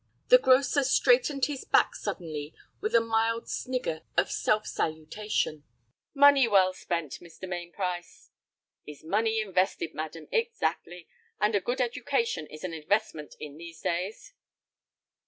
The grocer straightened his back suddenly, with a mild snigger of self salutation. "Money well spent, Mr. Mainprice—" "Is money invested, madam. Exactly. And a good education is an investment in these days."